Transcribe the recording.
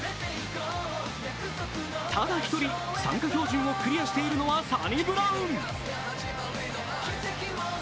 ただ１人参加標準をクリアしているのはサニブラウン。